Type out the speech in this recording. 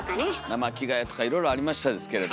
生着替えとかいろいろありましたですけれども。